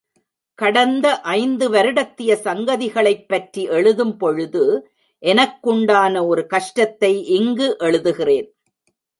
கடந்த ஐந்து வருடத்திய சங்கதி களைப்பற்றி எழுதும்பொழுது, எனக்குண்டான ஒரு கஷ்டத்தை இங்கு எழுதுகிறேன்.